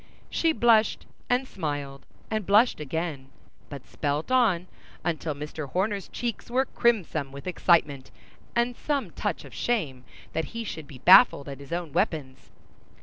She blushed, and smiled, and blushed again, but spelt on, until Mr. Horner's cheeks were crimson with excitement and some touch of shame that he should be baffled at his own weapons.